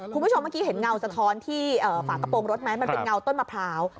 คุณผู้ชมเมื่อกี้เห็นเงาสะท้อนที่ฝากระโปรงรถไหมมันเป็นเงาต้นมะพร้าว